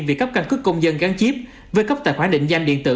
vì cấp căn cước công dân gắn chiếp với cấp tài khoản định danh điện tử